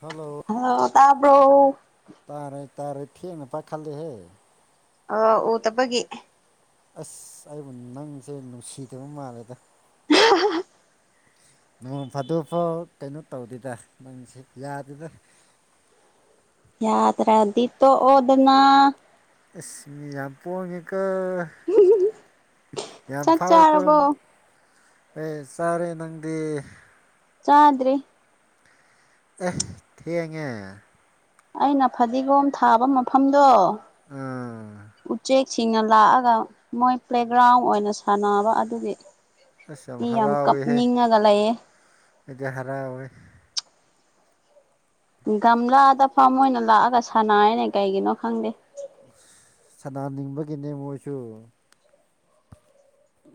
Hello. ꯑꯣ ꯇꯥꯕꯔꯣ ꯇꯥꯔꯩ ꯇꯥꯔꯩ ꯊꯦꯡꯅ ꯄ ꯈꯜꯗꯦ ꯍꯦ ꯑ ꯎ ꯇꯕꯒꯤ꯫ ꯑꯁ ꯑꯩꯕꯨ ꯅꯪꯁꯦ ꯅꯨꯡꯁꯤꯗꯕ ꯃꯥꯜꯂꯦꯗ ꯅꯣꯡ ꯐꯥꯗꯣꯛꯐꯥꯎ ꯀꯩꯅꯣ ꯇꯧꯗꯦꯗ ꯅꯪꯁ ꯌꯥꯗꯗ ꯌꯥ ꯇ꯭ꯔꯗꯤ ꯇꯣ ꯑꯣꯗꯅ ꯑꯁ ꯃꯤ ꯌꯥꯝ ꯄꯣꯡꯉꯦꯀ ꯌꯥꯝ ꯆꯥꯛ ꯊꯥꯎꯦꯀꯣ ꯆꯥꯔꯕꯣ ꯑꯦ ꯆꯥꯔꯦ ꯅꯪꯗꯤ꯫ ꯇꯗ꯭ꯔꯤ꯫ ꯑꯦ ꯊꯉꯦ꯫ ꯑꯩꯅ ꯐꯗꯤꯒꯣꯝ ꯊꯥꯕ ꯃꯐꯝꯗꯣ ꯑꯥ ꯎꯆꯦꯛ ꯁꯤꯡꯅ ꯂꯥꯛꯑꯒ ꯃꯣꯏ ꯄ꯭ꯂꯦꯒ꯭ꯔꯥꯎꯟ ꯑꯣꯏꯅ ꯁꯥꯟꯅꯕ ꯑꯗꯨꯒꯤ ꯑꯁ ꯏ ꯌꯥꯝ ꯍꯔꯥꯎꯋꯦꯍꯦ ꯀꯞꯅꯤꯡꯉꯒ ꯂꯩꯌꯦ꯫ ꯑꯩꯗꯤ ꯍꯔꯥꯎ ꯋꯦ꯫ ꯒꯝꯂꯥꯗ ꯐꯝ ꯑꯣꯏꯅ ꯂꯥꯛꯑꯒ ꯁꯥꯟꯅꯩꯅꯦ ꯀꯩꯒꯤꯅꯣ ꯈꯪꯗꯦ꯫ ꯑꯁ ꯁꯅꯥꯅꯤꯡꯕꯒꯤꯅꯦ ꯃꯣꯏꯁꯨ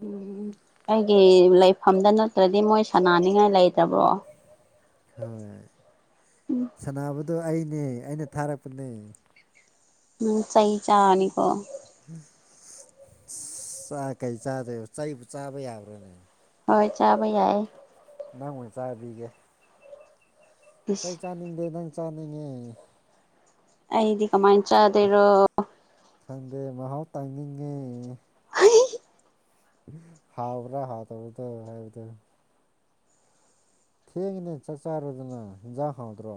ꯎꯝ ꯑꯩꯒꯤ ꯂꯩꯐꯝꯗ ꯅꯠꯇ꯭ꯔꯗꯤ ꯃꯣꯏ ꯁꯅꯥꯅꯤꯡꯉꯥꯏ ꯂꯩꯇꯕ꯭ꯔꯣ ꯍꯣꯏ ꯎꯝ ꯁꯅꯕꯗꯣ ꯑꯩꯅꯦ ꯑꯩꯅꯦ ꯊꯥꯔꯛꯄꯅꯦ ꯎꯝ ꯆꯩ ꯆꯥꯅꯤꯀꯣ ꯆ ꯀꯩ ꯆꯥꯗꯣꯏꯕ ꯆꯩ ꯆꯥꯕ ꯌꯥꯕ꯭ꯔꯥꯅꯦ꯫ ꯍꯣꯏ ꯆꯥꯕ ꯌꯥꯏꯌꯦ꯫ ꯅꯪ ꯑꯣꯏꯅ ꯆꯥꯕꯤꯒꯦ꯫ ꯏꯁ ꯆꯩ ꯆꯥꯅꯤꯡꯗꯦ ꯅꯪ ꯆꯥꯅꯤꯡꯉꯦ꯫ ꯑꯩꯗꯤ ꯀꯃꯥꯏꯅ ꯆꯥꯗꯣꯢꯔꯣ ꯈꯪꯗꯦ ꯃꯍꯥꯎ ꯇꯪꯅꯤꯡꯉꯦ꯫ [unintelligible] ꯍꯥꯥꯎꯕ꯭ꯔ ꯍꯥꯥꯎ ꯇꯕꯨꯗ ꯍꯥꯏꯕꯗꯨ ꯊꯦꯡꯉꯤꯅꯦ ꯆꯥꯛ ꯆꯥꯔꯨꯗꯅ ꯍꯦꯟꯖꯥꯡ ꯍꯥꯎꯗ꯭ꯔꯣ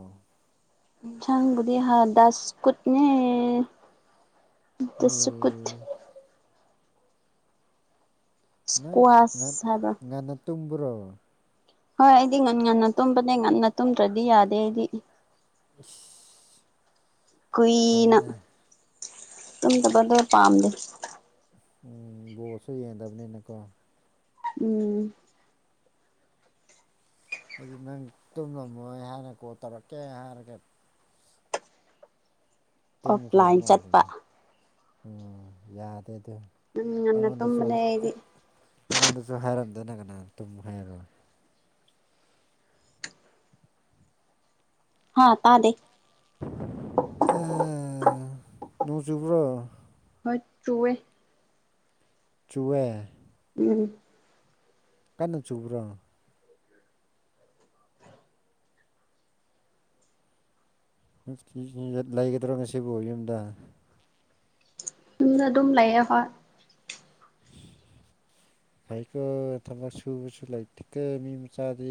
ꯏꯟꯁꯥꯡꯒꯗꯤ ꯍꯥ ꯗꯁꯀꯨꯠꯅꯦ ꯀꯨꯠ ꯑꯦ ꯅꯪ ꯉ ꯏꯁꯀ꯭ꯋꯥꯁ ꯍꯥꯏꯕ꯭ꯔꯥ ꯉꯟꯅ ꯇꯨꯝꯕ꯭ꯔꯣ ꯍꯣꯏ ꯑꯩꯗꯤ ꯉꯟ ꯉꯟꯅ ꯇꯨꯝꯕꯅꯦ ꯉꯟꯅ ꯇꯨꯝꯗ꯭ꯔꯗꯤ ꯌꯥꯗꯦ ꯑꯩꯗꯤ꯫ ꯢꯁ ꯀꯨꯏꯅ ꯐꯩꯅꯦ ꯇꯨꯝꯗꯕꯗꯣ ꯄꯥꯝꯗꯦ꯫ ꯎꯝ ꯕꯣꯜꯁꯨ ꯌꯦꯡꯗꯕꯅꯤꯅꯀꯣ ꯎꯝ ꯍꯥꯏꯗꯤ ꯅꯪ ꯇꯨꯝꯂꯝꯃꯣꯏ ꯍꯥꯏꯅ ꯀꯣꯜ ꯇꯧꯔꯛꯀꯦ ꯍꯥꯏꯔꯒ ꯇꯨꯝꯈ꯭ꯔꯕ ꯑꯣꯐꯂꯥꯏꯟ ꯆꯠꯄ ꯃꯥꯜꯂꯤꯅꯦ ꯎꯝ ꯌꯥꯗꯦ ꯑꯗꯨ ꯎꯝ ꯉꯟꯅ ꯑꯩꯉꯣꯟꯗꯁꯨ ꯇꯨꯝꯕꯅꯦ ꯑꯩꯗꯤ ꯑꯩꯉꯣꯟꯗꯁꯨ ꯍꯥꯏꯔꯝꯗꯅ ꯀꯅꯥ ꯇꯨꯝ ꯍꯥꯏꯔꯣꯏ ꯍꯥꯥ ꯇꯥꯗꯦ꯫ ꯑ ꯅꯣꯡ ꯆꯨꯕ꯭ꯔꯣ? ꯍꯣꯏ ꯆꯨꯋꯦ꯫ ꯆꯨꯋꯦ꯫ ꯎꯝ ꯀꯟꯅ ꯆꯨꯕ꯭ꯔꯣ ꯂꯩꯒꯗ꯭ꯔꯣ ꯉꯁꯤꯕꯨ ꯌꯨꯝꯗ ꯌꯨꯝꯗ ꯑꯗꯨꯝ ꯂꯩꯌꯦ ꯍꯣꯏ [inaudible] ꯌꯥꯢꯀꯣ ꯊꯕꯛ ꯁꯨꯕꯁꯨ ꯂꯩꯇꯦ ꯀꯣ ꯃꯤ ꯃꯆꯥꯗꯤ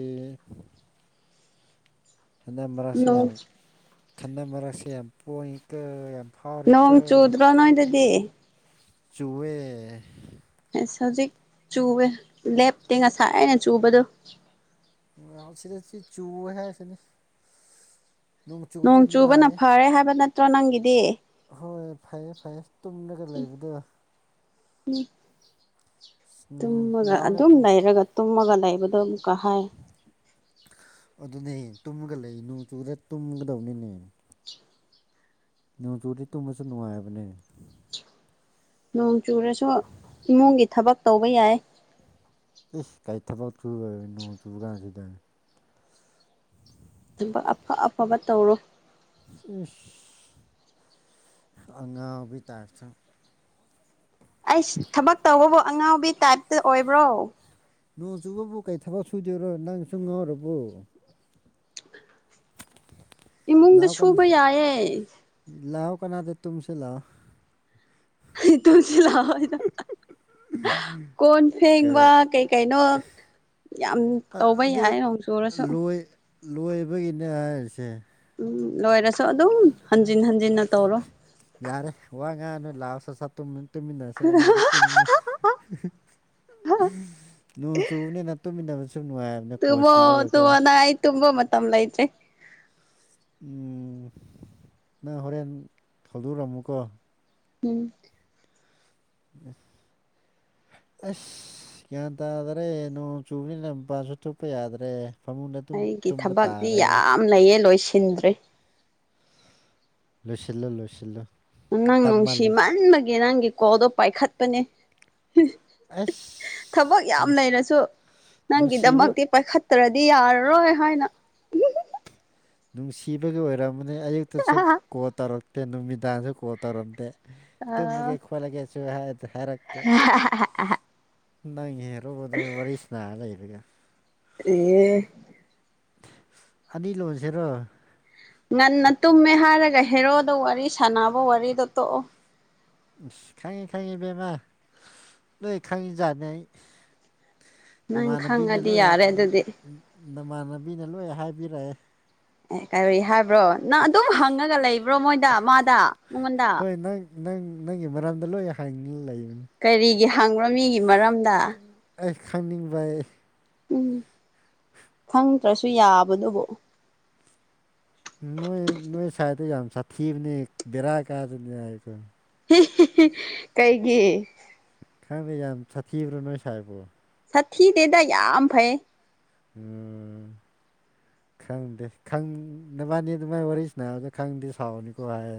ꯥꯥꯍꯟꯗꯛ ꯃꯔꯛꯁꯦ ꯌꯥꯝ ꯅꯣꯡ ꯈꯟꯅ ꯃꯔꯛꯁꯦ ꯌꯥꯝ ꯄꯣꯏ ꯑ ꯌꯥꯝ ꯐꯥꯎꯔꯦꯀꯣ ꯒꯣ ꯅꯣꯏꯗꯗꯤ ꯆꯨꯋꯦ ꯑꯁ ꯍꯧꯖꯤꯛ ꯆꯨꯋꯦ ꯂꯦꯞꯇꯦ ꯉꯁꯥꯏꯅ ꯆꯨꯕꯗꯣ ꯌꯥ ꯁꯤꯗꯁꯤ ꯆꯨ ꯍꯥꯏꯁꯤꯅꯤ ꯅꯣꯡ ꯆꯨꯔꯗꯤ ꯆꯨꯕꯅ ꯅꯨꯡꯉꯥꯏ ꯐꯔꯦ ꯍꯥꯏꯕ ꯅꯠꯇ꯭ꯔꯣ ꯅꯪꯒꯤꯗꯤ ꯍꯣꯏ ꯐꯩꯌꯦ ꯐꯩꯌꯦ ꯇꯨꯝꯂꯒ ꯂꯩꯕꯗꯣ ꯇꯨꯝꯃꯒ ꯂꯥꯎꯅꯦ ꯑꯗꯨꯝ ꯇꯨꯝ ꯂꯩꯔꯒ ꯇꯨꯝꯃꯒ ꯂꯩꯕꯗꯣ ꯑꯃꯨꯛꯀ ꯍꯥ ꯑꯗꯨꯅꯦ ꯇꯨꯝꯃꯒ ꯂꯩꯅꯨ ꯅꯣꯡ ꯆꯨꯔꯒ ꯇꯨꯝꯒꯗꯧꯅꯤꯅꯦ ꯅꯣꯡꯆꯨꯔꯗꯤ ꯇꯨꯝꯃꯁꯨ ꯅꯨꯡꯉꯥꯏꯕꯅꯦ ꯅꯣꯡ ꯆꯨꯔꯁꯨ ꯏꯃꯨꯡꯒꯤ ꯊꯕꯛ ꯇꯧꯕ ꯌꯥꯏ ꯏꯁ ꯀꯥꯏꯊꯕꯛ ꯆꯨꯕ ꯅꯣꯡ ꯆꯨꯕ ꯀꯥꯟꯁꯤꯗ ꯑꯗꯨꯒ ꯑꯐ ꯑꯐꯕ ꯇꯧꯔꯣ ꯑꯉꯥꯎꯕꯩ ꯇꯥꯞꯇꯥ ꯑꯩꯁ ꯊꯕꯛ ꯇꯧꯕꯕꯨ ꯑꯉꯥꯎꯕꯤ ꯇꯥꯏꯞꯇ ꯑꯣꯏꯕ꯭ꯔꯣ ꯅꯣꯡ ꯆꯨꯕꯕꯨ ꯀꯩ ꯊꯕꯛ ꯁꯨꯗꯣꯏꯔꯣ ꯅꯪ ꯆꯨꯝꯉꯧꯔꯕꯨ ꯏꯃꯨꯡꯗ ꯂꯥꯛꯑꯣ ꯀꯟ ꯁꯨꯕ ꯌꯥꯏꯌꯦ ꯂꯥꯛꯑꯣ ꯀꯅꯥꯗꯦ ꯇꯨꯝꯁꯦ ꯂꯥꯛꯑꯣ ꯑꯩ ꯊꯝ [inaudible] ꯁꯤ ꯂꯑꯣꯗ ꯀꯣꯟ ꯐꯦꯡꯕ ꯀꯩ ꯀꯩꯅꯣ ꯌꯥꯝ ꯇꯧꯕ ꯑꯗꯨ ꯌꯥꯏ ꯅꯣꯡ ꯆꯨꯔꯁꯨ ꯂꯣꯏ ꯂꯣꯏꯕꯒꯤꯅꯦ ꯍꯥꯏꯔꯤꯁꯦ ꯎꯝ ꯂꯣꯏꯔꯁꯨ ꯑꯗꯨꯝ ꯍꯟꯖꯤꯟ ꯍꯟꯖꯤꯟꯅ ꯇꯧꯔ ꯌꯥꯔꯦ ꯋꯥ ꯉꯥꯡꯅꯣ ꯂꯥꯛꯑꯣ ꯁꯠ ꯁꯠ ꯇꯨꯝꯃꯤꯟꯅꯁꯤ ꯀꯅꯥꯗꯦ ꯏꯪꯉꯦ ꯅꯣꯡ ꯆꯨꯕꯅꯤꯅ ꯇꯨꯃꯤꯟꯅꯕ ꯁꯨ ꯅꯨꯡꯉꯥꯏꯔꯦ ꯇꯨꯝꯃꯨ ꯇꯨꯝꯕ ꯃꯇꯝ ꯂꯩꯇꯦ ꯅꯪ ꯍꯣꯔꯦꯟ ꯊꯧꯗꯨꯔꯝꯃꯨꯀꯣ ꯎꯝ ꯌꯦꯁ [inaudible] ꯑꯁ ꯒ꯭ꯌꯥꯟ ꯇꯥꯗꯔꯦ ꯅꯣꯡ ꯆꯨꯕꯅꯤ ꯂꯝ ꯃꯄꯥꯁꯨ ꯊꯨꯞꯄ ꯌꯥꯗ꯭ꯔꯦ ꯐꯃꯨꯡꯗ ꯑꯗꯨꯝ ꯑꯩꯒꯤ ꯇꯨꯝꯕ ꯊꯕꯛꯇꯤ ꯇꯥꯔꯦ ꯌꯥꯝ ꯂꯩꯌꯦ ꯂꯣꯏꯁꯤꯟꯗ꯭ꯔꯦ ꯂꯣꯏꯁꯤꯜꯂꯣ ꯂꯣꯏꯁꯤꯜꯂꯣ ꯅꯪ ꯅꯨꯡꯁꯤ ꯇꯝꯃꯜꯂꯦ ꯃꯟꯕꯒꯤ ꯅꯪꯒꯤ ꯀꯣꯜꯗꯣ ꯄꯥꯏꯈꯠꯄꯅꯦ ꯊꯕꯛ ꯑꯁ ꯌꯥꯝ ꯅꯨꯡ ꯂꯩꯔꯁꯨ ꯅꯨꯡꯁꯤꯕ ꯅꯪꯒꯤꯗꯃꯛꯇꯤ ꯄꯥꯏꯈꯠ ꯐꯠꯇ꯭ꯔꯗꯤ ꯌꯥꯔꯔꯣꯏ ꯍꯥꯏꯅ ꯅꯨꯡꯁꯤꯕꯒꯤ ꯑꯣꯏꯔꯝꯝꯕꯅꯤ ꯑꯌꯨꯛꯇꯁꯨ ꯑꯥ ꯀꯣꯜ ꯇꯧꯔꯛꯇꯦ ꯅꯨꯃꯤꯗꯥꯡꯁꯨ ꯀꯣꯜ ꯇꯧꯔꯝꯗꯦ ꯇꯃꯦ ꯈꯣꯂꯒꯦꯁꯨꯣ ꯍꯔꯛ [inaudible] ꯅꯪ ꯍꯦꯔꯨꯕꯗꯨꯅ ꯋꯥꯔꯤ ꯁꯅꯥꯔ ꯂꯩꯔꯒ ꯑꯦ [inaudible] ꯑꯅꯤ ꯂꯣꯟꯁꯤꯔꯣ ꯉꯟꯅ ꯇꯨꯝꯃꯦ ꯍꯥꯏꯔꯒ ꯍꯦꯔꯣꯗ ꯋꯥꯔꯤ ꯁꯥꯟꯅꯕ ꯋꯥꯔꯤꯗꯣ ꯇꯣꯛꯑꯣ ꯁꯤ ꯈꯉꯤ ꯈꯉꯤꯕꯃꯥ ꯂꯣꯏ ꯈꯉꯤꯅꯤ ꯅꯪ ꯅꯃꯥꯟꯅꯕꯤꯅ ꯈꯪꯉꯗꯤ ꯂꯣꯏ ꯌꯥꯔꯦ ꯑꯗꯨꯗꯤ ꯅꯃꯥꯟꯅꯕꯤꯅ ꯂꯣꯏ ꯍꯥꯏꯕꯤꯔꯛꯑꯦ ꯑꯦ ꯀꯔꯤ ꯍꯥꯏꯕ꯭ꯔꯣ ꯅꯪ ꯑꯗꯨꯝ ꯍꯪꯉꯒ ꯂꯩꯕ꯭ꯔꯣ ꯃꯣꯏꯗ ꯃꯥꯗ ꯃꯉꯣꯟꯗ ꯍꯣꯏ ꯅꯪ ꯅꯪ ꯅꯪꯒꯤ ꯃꯔꯝꯗ ꯂꯣꯏ ꯍꯥꯏꯅꯤꯡ ꯂꯩꯕꯅꯤ ꯀꯔꯤꯒꯤ ꯍꯥꯡꯕ꯭ꯔꯃꯤꯒꯤ ꯃꯔꯝꯗ ꯑꯩ ꯈꯪꯅꯤꯡꯕ ꯑꯩ ꯎꯝ ꯈꯪꯗ꯭ꯔꯁꯨ ꯌꯥꯕꯗꯨꯕꯨ ꯅꯣꯏꯏ ꯅꯣꯏꯏ ꯁꯥꯏꯗ ꯌꯥꯝ ꯁꯥꯊꯤꯕꯅꯤ ꯦꯔꯥ ꯀꯥꯖꯅꯤ ꯍꯥꯏꯀ ꯀꯩꯒꯤ ꯈꯪꯗꯦ ꯌꯥꯝ ꯁꯥꯊꯤꯕ꯭ꯔꯣ ꯅꯣꯏ ꯁꯥꯏꯕꯣ ꯁꯥꯊꯤꯗꯦꯗ ꯌꯥꯝ ꯐꯩ ꯎꯝ ꯈꯪꯗꯦ ꯈꯪ ꯅꯕꯥꯅꯤ ꯑꯗꯨ ꯃꯥꯏ ꯋꯥꯔꯤꯁꯤ ꯅꯥꯕꯗ ꯈꯪꯗꯦ ꯁꯥꯎꯅꯤꯀꯣ ꯍꯥꯏ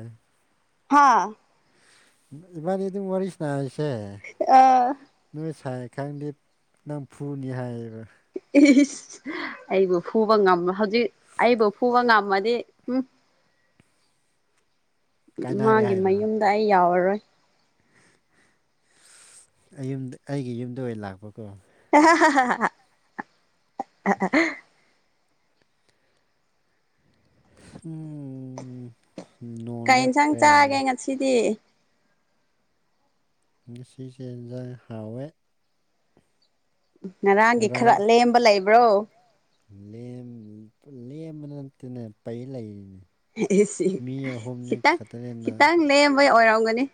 ꯍꯥꯥ ꯏꯕꯥꯥ ꯑꯗꯨ ꯋꯥꯔꯤꯔꯤꯁꯤꯅ ꯏꯁꯦ ꯑꯥ ꯅꯣꯏ ꯁꯥꯏ ꯈꯪꯗꯤꯦ ꯅꯝꯐꯨꯅꯤ ꯍꯥꯏꯌꯦꯕ ꯏꯁ ꯑꯩꯕꯨ ꯐꯨꯕ ꯉꯝꯃ ꯍꯧꯖꯤꯛ ꯑꯩꯕꯨ ꯐꯨꯕ ꯉꯝꯃꯗꯤ ꯎꯝ ꯀꯥꯏꯅꯔꯦ ꯃꯥꯒꯤ ꯍꯥꯏꯔꯣ ꯃꯌꯨꯝꯗ ꯑꯩ ꯌꯥꯎꯔꯔꯣꯏ ꯑꯩ ꯌꯨꯝꯗ ꯑꯩꯒꯤ ꯌꯨꯝꯗ ꯑꯣꯏꯅ ꯂꯥꯛꯄꯀꯣ [unintelligible] ꯍꯨꯝ ꯅꯣꯡ ꯂꯦꯞꯈ꯭ꯔꯦ ꯁꯤꯗꯤ ꯉꯁꯤꯁꯦ ꯏꯟꯖꯥꯡ ꯍꯥꯎꯋꯦ ꯉꯔꯥꯡꯒꯤ ꯈꯔ ꯉꯔꯥꯡ ꯂꯦꯝꯕ ꯂꯩꯕ꯭ꯔꯣ ꯂꯦꯝ ꯂꯦꯝꯕ ꯅꯠꯇꯦꯅꯦ ꯄꯩ ꯂꯩꯔꯤꯅꯦ ꯏꯁ ꯁꯤ ꯃꯤ ꯑꯍꯨꯝꯅꯤ ꯈꯤꯇꯪ ꯈꯛꯇꯅꯤꯅ ꯈꯤꯇꯪ ꯂꯦꯝꯕꯩ ꯑꯣꯏꯔꯝꯒꯅꯤ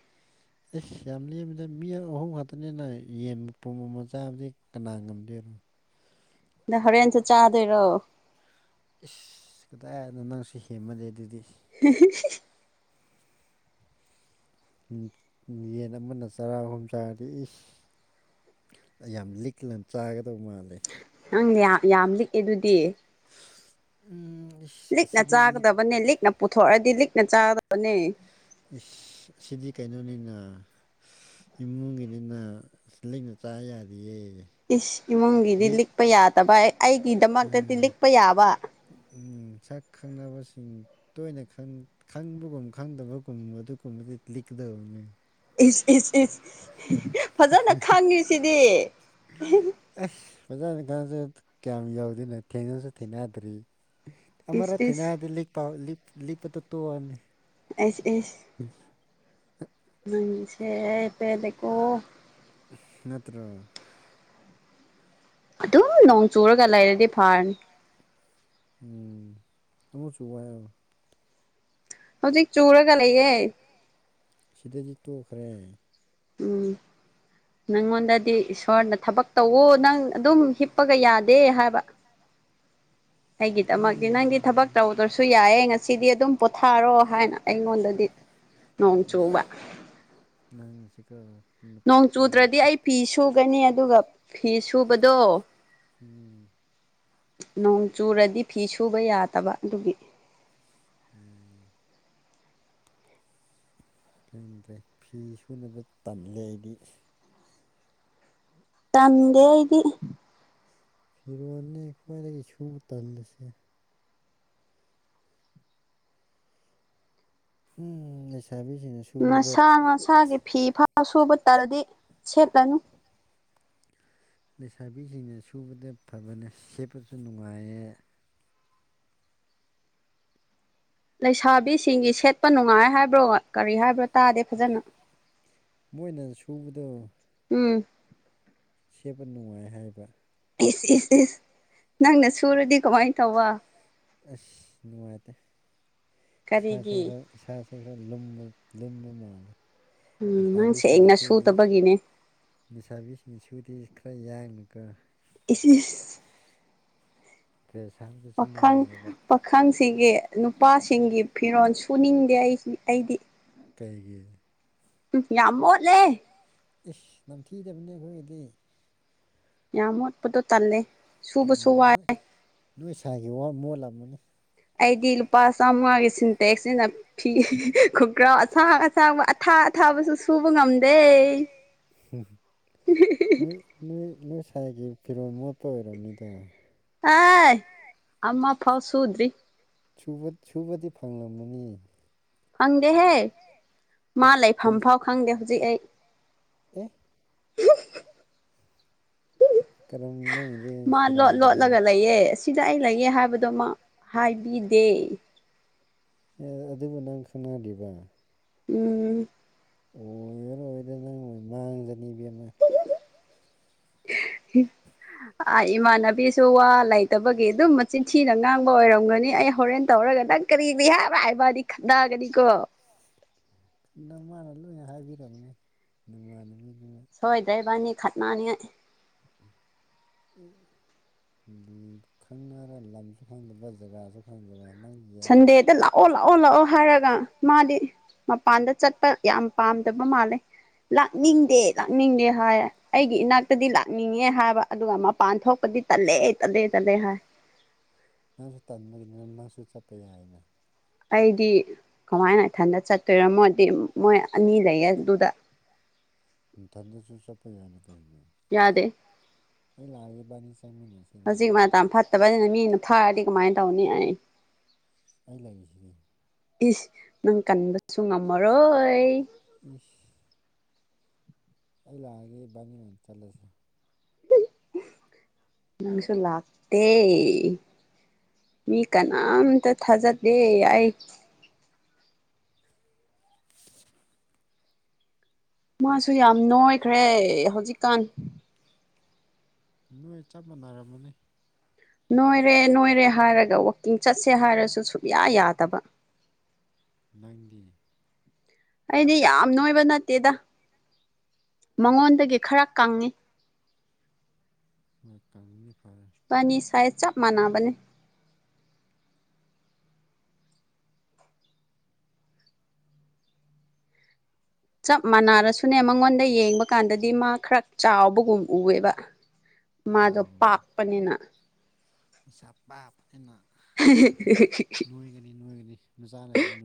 ꯏꯁ ꯌꯥꯝ ꯂꯦꯝꯃꯤꯗ ꯃꯤ ꯑꯍꯨꯝ ꯈꯛꯇꯅꯤꯅ ꯌꯦꯟ ꯃꯄꯨꯝ ꯑꯃ ꯆꯥꯕꯗꯤ ꯀꯅꯥ ꯉꯝꯒꯦꯔꯣ ꯅ ꯍꯣꯔꯦꯟꯁꯨ ꯆꯥꯗꯣꯏꯔꯣ ꯏꯁ ꯀꯗꯥꯏꯅꯣ ꯅꯪꯁꯨ ꯍꯦꯝꯃꯜꯂꯦ ꯑꯗꯨꯗꯤ ꯍꯤꯍꯤ ꯍꯤ ꯌꯦꯟ ꯑꯃꯅ ꯆꯔꯥ ꯑꯍꯨꯝ ꯆꯥꯔꯗꯤ ꯏꯁ ꯌꯥꯝ ꯂꯤꯛꯂ ꯆꯥꯒꯗꯕ ꯃꯥꯜꯂꯦ ꯅꯪ ꯌꯥꯝ ꯌꯥꯝ ꯂꯤꯛꯑꯦ ꯑꯗꯨꯗꯤ ꯎꯝ ꯏꯁ ꯂꯤꯛꯅ ꯑꯁꯤꯗꯤ ꯂꯤꯛ ꯆꯥꯒꯗꯕꯅꯦ ꯂꯤꯛꯅ ꯄꯨꯊꯣꯔꯑꯗꯤ ꯂꯤꯛꯅ ꯆꯥꯒꯗꯕꯅꯦ ꯏꯁ ꯁꯤꯗꯤ ꯀꯩꯅꯣꯅꯤꯅ ꯏꯃꯨꯡꯒꯤꯅꯤꯅ ꯂꯤꯛꯅ ꯆꯥ ꯌꯥꯔꯤꯌꯦ ꯏꯁ ꯏꯃꯨꯡꯒꯤꯗꯤ ꯂꯤꯛꯄ ꯌꯥꯗꯕ ꯑꯩꯒꯤꯗꯃꯛꯇꯗꯤ ꯂꯤꯛꯄ ꯌꯥꯕ ꯎꯝ ꯁꯛ ꯈꯪꯅꯕꯁꯤꯡ ꯇꯣꯏꯅ ꯈꯪ ꯈꯪꯕꯒꯨꯝ ꯈꯪꯗꯕꯒꯨꯝ ꯑꯗꯨꯒꯨꯝꯕꯗꯤ ꯂꯤꯛꯀꯗꯕꯅꯤ ꯏꯁ ꯏꯁ ꯏꯁ ꯐꯖꯅ ꯈꯪꯉꯤꯁꯤꯗꯤ ꯑꯁ ꯐꯖꯅ ꯈꯡ ꯌꯥꯎꯗꯅ ꯊꯦꯡꯅꯁꯨ ꯊꯦꯡꯅꯗ꯭ꯔꯤ ꯏꯁ ꯑꯃꯔꯛ ꯏꯁ ꯊꯦꯡꯅꯔꯗꯤ ꯂꯤꯀꯞꯄꯥꯎ ꯂꯤꯛꯄꯇꯣ ꯇꯣꯛꯑꯅꯤ ꯑꯦꯁ ꯑꯦꯁ ꯎꯝ ꯅꯪꯁꯦ ꯑꯩ ꯄꯦꯜꯂꯦꯀꯣ ꯅꯠꯇ꯭ꯔꯣ ꯑꯗꯨꯝ ꯅꯣꯡ ꯆꯨꯔꯒ ꯂꯩꯔꯗꯤ ꯐꯔꯅꯤ ꯎꯝ ꯅꯣꯡ ꯆꯨ ꯍꯥꯏꯌꯣ ꯍꯧꯖꯤꯛ ꯆꯨꯔꯒ ꯂꯩꯌꯦ ꯁꯤꯗꯗꯤ ꯇꯣꯛꯈ꯭ꯔꯦ ꯎꯝ ꯅꯪꯉꯣꯟꯗꯗꯤ ꯏꯁꯣꯔꯅ ꯊꯕꯛ ꯇꯧꯋꯣ ꯅꯪ ꯑꯗꯨꯝ ꯍꯤꯞ ꯄꯒ ꯌꯥꯗꯦ ꯍꯥꯏꯕ ꯑꯩꯒꯤꯗꯃꯛꯗꯤ ꯅꯪꯗꯤ ꯊꯕꯛ ꯇꯧꯗ꯭ꯔꯁꯨ ꯌꯥꯏꯌꯦ ꯉꯁꯤꯗꯤ ꯑꯗꯨꯝ ꯄꯣꯊꯥꯔꯣ ꯍꯥꯏꯅ ꯑꯩꯉꯣꯟꯗꯗꯤ ꯅꯣꯡ ꯆꯨꯕ ꯅꯪꯁꯦꯀꯣ ꯅꯣꯡ ꯆꯨꯗ꯭ꯔꯗꯤ ꯑꯩ ꯐꯤ ꯁꯨꯒꯅꯤ ꯑꯗꯨꯒ ꯐꯤ ꯁꯨꯕꯗꯣ ꯎꯝ ꯅꯣꯡ ꯆꯨꯔꯗꯤ ꯐꯤ ꯁꯨꯕ ꯌꯥꯗꯕ ꯑꯗꯨꯒꯤ ꯎꯝ ꯈꯪꯗ꯭ꯔꯦ ꯐꯤ ꯁꯨꯅꯕ ꯇꯜꯂꯦ ꯑꯩꯗꯤ ꯇꯟꯗꯦ ꯑꯩꯗꯤ ꯐꯤꯔꯣꯟꯅꯤ ꯈ꯭ꯋꯥꯏꯗꯒꯤ ꯁꯨꯕ ꯇꯜꯂꯤꯁꯦ ꯎꯝ ꯂꯩꯁꯥꯕꯤꯖꯤꯅ ꯁꯨ ꯃꯁꯥ ꯃꯁꯥꯒꯤ ꯐꯤ ꯐꯥꯎ ꯁꯨꯕ ꯇꯜꯂꯗꯤ ꯁꯦꯠꯂꯅꯨ ꯂꯩꯁꯥꯕꯤꯁꯤꯡꯅ ꯁꯨꯕꯗ ꯐꯕꯅꯦ ꯁꯦꯠꯄꯁꯨ ꯅꯨꯡꯉꯥꯏꯌꯦ ꯂꯩꯁꯥꯕꯤꯁꯤꯡꯒꯤ ꯁꯦꯠꯄ ꯅꯨꯡꯉꯥꯏ ꯍꯥꯏꯕ꯭ꯔꯣ ꯀꯔꯤ ꯍꯥꯏꯕ꯭ꯔꯣ ꯇꯥꯗꯦ ꯐꯖꯅ ꯃꯣꯏꯅ ꯁꯨꯕꯗꯣ ꯎꯝ... ꯁꯦꯕ ꯅꯨꯡꯉꯥꯏ ꯍꯥꯏꯕ ꯏꯁ ꯏꯁ ꯏꯁ ꯅꯪꯅ ꯁꯨꯔꯗꯤ ꯀꯃꯥꯏꯅ ꯇꯧꯕ ꯑꯁ ꯅꯨꯡꯉꯥꯏꯇꯦ ꯏꯁ ꯁꯦ ꯀꯔꯤꯒꯤ ꯈꯔ ꯏꯁꯥꯁꯦ ꯈꯔ ꯂꯨꯝꯕ ꯂꯨꯝꯕ ꯃꯥꯜꯂꯦ ꯎꯝ ꯅꯪ ꯂꯩꯁꯥꯕꯤꯁꯤꯡꯅ ꯁꯦꯡꯅ ꯁꯨꯗꯤ ꯁꯨꯗꯕꯒꯤꯅꯦ ꯂꯩꯁꯥꯕꯤꯁꯤꯡꯅ ꯁꯨꯗꯤ ꯈꯔ ꯌꯥꯡꯅꯤꯀꯣ ꯏꯁ ꯏꯁ... ꯗ꯭ꯔꯦꯁ ꯁꯥꯕꯗꯁꯨ ꯅꯨꯡꯉꯥꯏꯌꯦꯕ ꯄꯥꯈꯪꯁꯤꯒꯤ ꯅꯨꯄꯥꯁꯤꯡꯒꯤ ꯐꯤꯔꯣꯜ ꯁꯨꯅꯤꯡꯗꯦ ꯑꯩ ꯑꯩꯗꯤ ꯀꯩꯒꯤ ꯑꯨꯝ ꯌꯥꯝ ꯃꯣꯠꯂꯦ ꯏꯁ ꯅꯝꯊꯤꯗꯕꯅꯤ ꯑꯩꯈꯣꯏꯒꯤꯗꯤ ꯌꯥꯝ ꯃꯣꯠꯄꯗꯣ ꯇꯜꯂꯦ ꯁꯨꯕꯁꯨ ꯋꯥꯏ ꯎꯝ ꯅꯣꯏ ꯅꯣꯏ ꯁꯥꯏꯒꯤ ꯋꯥ ꯃꯣꯜꯂꯝꯅꯤ ꯑꯩꯗꯤ ꯂꯨꯄꯥ ꯆꯥꯝꯃꯉꯥꯒꯤ ꯁꯤꯟꯇꯦꯛꯁꯤꯅ ꯐꯤ ꯈꯨꯒ꯭ꯔꯥꯎ ꯑꯁꯥꯡ ꯑꯁꯥꯡꯕ ꯑꯊꯥ ꯑꯊꯥꯕꯁꯨ ꯁꯨꯕ ꯉꯝꯗꯦ ꯍꯨꯝ ꯍꯨꯝ꯬꯬꯬꯬꯬ ꯅꯣꯏ ꯅꯣꯏ ꯁ꯭ꯋꯥꯏꯒꯤ ꯐꯤꯔꯣꯜ ꯃꯣꯠꯄ ꯑꯣꯏꯔꯝꯅꯤꯗ ꯍꯥꯏ ꯑꯃ ꯄꯥꯎ ꯁꯨꯗ꯭ꯔꯤ ꯁꯨꯕ ꯁꯨꯕꯗꯤ ꯐꯪꯂꯝꯃꯅꯤ ꯈꯪꯗꯦꯍꯦ ꯃꯥ ꯑꯁ ꯂꯩꯐꯝꯐꯥꯎ ꯈꯪꯗꯦ ꯍꯧꯖꯤꯛ ꯑꯩ ꯑꯦ꯬꯬꯬꯬ ꯀꯔꯝ ꯅꯪꯒꯤꯗꯤ ꯃꯥ ꯁꯦꯔꯥꯟ ꯂꯣꯠ ꯇꯨꯔꯥꯟ ꯂꯣꯠꯂꯒ ꯂꯩꯌꯦ ꯁꯤꯗ ꯑꯩ ꯂꯩꯌꯦ ꯍꯥꯏꯕꯗꯣ ꯃꯥ ꯍꯥꯏꯕꯤꯗꯦ ꯑꯦ ꯑꯗꯨꯕꯨ ꯅꯪ ꯈꯪꯅꯔꯤꯕ ꯎꯝ꯬꯬ ꯑꯣꯏꯔꯔꯣꯏꯗ ꯅꯪ ꯑꯣꯢ ꯃꯥꯡꯖꯅꯤ ꯏꯕꯦꯝꯃꯥ ꯍꯨꯝ ꯏꯃꯥꯟꯅꯕꯤꯁꯨ ꯋꯥ ꯂꯩꯇꯕꯒꯤ ꯑꯗꯨꯝ ꯃꯆꯤꯟꯊꯤꯅ ꯉꯥꯡꯕ ꯑꯣꯏꯔꯝꯒꯅꯤ ꯑꯩ ꯍꯣꯔꯦꯟ ꯇꯧꯔꯒ ꯅꯪ ꯀꯔꯤꯕꯤ ꯍꯥꯏꯥꯕ ꯍꯥꯏꯕꯗꯤ ꯈꯥꯠꯅꯒꯅꯤꯀꯣ ꯅ ꯃꯥꯅ ꯂꯣꯏꯅ ꯍꯥꯏꯕꯤꯔꯝꯅꯤ ꯅꯃꯥꯟꯅꯕꯤꯗꯨꯅ ꯁꯣꯏꯗ꯭ꯔꯦ ꯏꯕꯅꯤ ꯈꯠꯃꯅꯤ ꯑꯦ ꯑꯦ ꯈꯪꯅꯔ ꯂꯝꯁꯨ ꯈꯪꯗꯕ ꯖꯒꯥꯁꯨ ꯈꯪꯗꯕ ꯅꯪ ꯌꯥꯏ ꯁꯥꯟꯗꯦꯗ ꯂꯛꯑꯣ ꯑꯣꯟ ꯂꯥꯛꯑꯣ ꯂꯥꯛꯑꯣ ꯍꯥꯏꯔꯒ ꯃꯥꯗꯤ ꯃꯄꯥꯟꯗ ꯆꯠꯄ ꯌꯥꯝ ꯄꯥꯝꯗꯕ ꯃꯥꯜꯂꯦ ꯂꯥꯛꯅꯤꯡꯗꯦ ꯂꯥꯛꯅꯤꯡꯗꯦ ꯍꯥꯏ ꯑꯩꯒꯤ ꯏꯅꯥꯛꯇꯗꯤ ꯂꯥꯛꯅꯤꯡꯉꯦ ꯍꯥꯏꯕ ꯑꯗꯨꯒ ꯃꯄꯥꯟ ꯊꯣꯛꯄꯗꯤ ꯇꯜꯂꯦ ꯇꯜꯂꯦ ꯇꯠꯂꯦ ꯍꯥꯏ ꯅꯪꯁꯨ ꯇꯟꯕꯒꯤꯅꯤꯅ ꯅꯪꯁꯨ ꯆꯠꯄ ꯌꯥꯏꯅ ꯑꯩꯗꯤ ꯀꯃꯥꯏꯅ ꯏꯊꯟꯗ ꯆꯠꯇꯣꯏꯔ ꯃꯣꯏꯗꯤ ꯃꯣꯏ ꯑꯅꯤ ꯂꯩꯌꯦ ꯑꯗꯨꯗ ꯒꯊꯟꯗꯖꯨ ꯆꯠꯄ ꯌꯥꯏꯅ ꯀꯩꯅꯣ ꯌꯥꯗꯦ ꯑꯩ ꯂꯥꯛꯑꯒꯦ ꯏꯕꯥꯅꯤ ꯆꯠꯃꯤꯟꯅꯁꯦ ꯍꯧꯖꯤꯛ ꯃꯇꯝ ꯐꯠꯇꯕꯅꯤꯅ ꯃꯤꯅ ꯐꯥꯔꯗꯤ ꯀꯃꯥꯏ ꯇꯧꯅꯤ ꯑꯩ ꯑꯩ ꯂꯩꯔꯤꯖꯤꯗꯤ ꯏꯁ ꯅꯪ ꯀꯟꯕꯁꯨ ꯉꯝꯃꯔꯣꯏ ꯏꯁ ꯑꯩ ꯂꯥꯛꯑꯒꯦ ꯏꯕꯥꯅꯤ ꯑꯣꯏꯅ ꯆꯠꯂꯁꯤ ꯅꯪꯁꯨ ꯂꯥꯛꯇꯦ ꯃꯤ ꯀꯅꯥꯝꯇ ꯊꯥꯖꯗꯦ ꯑꯩ ꯃꯥꯁꯨ ꯌꯥꯝ ꯅꯣꯏꯈ꯭ꯔꯦ ꯍꯧꯖꯤꯛꯀꯥꯟ ꯅꯣꯏ ꯆꯞ ꯃꯥꯟꯅꯔꯝꯃꯅꯤ ꯅꯣꯏꯔꯦ ꯅꯣꯏꯔꯦ ꯍꯥꯏꯔꯒ ꯋꯥꯛꯀꯤꯡ ꯆꯠꯁꯦ ꯍꯥꯏꯔꯁꯨ ꯁꯨꯛꯌꯥ ꯌꯥꯗꯕ ꯅꯪꯒꯤ ꯑꯩꯗꯤ ꯌꯥꯝ ꯅꯣꯏꯕ ꯅꯠꯇꯦꯗ ꯃꯉꯣꯟꯗꯒꯤ ꯈꯔ ꯀꯪꯉꯤ ꯃꯣꯏ ꯀꯪꯉꯗꯤ ꯐꯔꯦ ꯏꯕꯥꯅꯤ ꯁꯥꯏꯖ ꯆꯞ ꯃꯥꯟꯅꯕꯅꯦ ꯆꯞ ꯃꯥꯟꯅꯔꯁꯨꯅꯦ ꯃꯉꯣꯟꯗ ꯌꯦꯡꯕ ꯀꯥꯟꯗꯗꯤ ꯃꯥ ꯈꯔ ꯆꯥꯎꯕꯒꯨꯝ ꯎꯑꯦꯕ ꯃꯥꯗꯣ ꯑꯣ ꯄꯥꯛꯄꯅꯤꯅ ꯃꯁꯥ ꯄꯥꯕꯅꯤꯅ ꯅꯣꯏꯒꯅꯤ ꯅꯣꯏꯒꯅꯤ ꯅꯆꯥ ꯂꯩꯗꯤ ꯅꯣꯏ